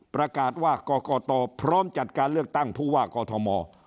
ประกาศว่ากรกตพร้อมจัดการเลือกตั้งผู้ว่ากอทม